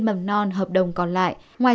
mầm non hợp đồng còn lại ngoài